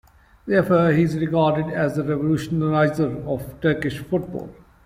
Therefore, he's regarded as the revolutionizer of Turkish football.